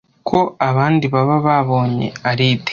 ko abandi baba babonye Alide